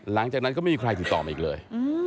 หลังจากนั้นก็ไม่มีใครติดต่อมาอีกเลย